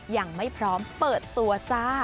ยังไม่พร้อมเปิดตัวจ้า